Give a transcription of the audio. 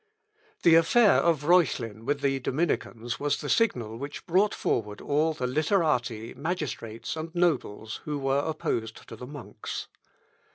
The affair of Reuchlin with the Dominicans was the signal which brought forward all the literati, magistrates, and nobles, who were opposed to the monks.